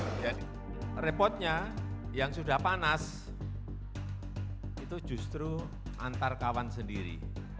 jadi repotnya yang sudah panas itu justru antar kawan sendiri